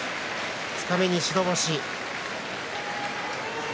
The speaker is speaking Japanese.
二日目に白星。